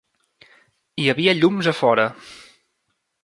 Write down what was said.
Hi havia llums a fora.